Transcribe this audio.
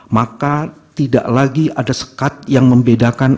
maka tidak lagi ada sekat yang membedakan